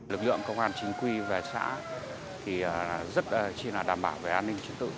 lực lượng công an chính quy về xã thì rất là đảm bảo về an ninh trật tự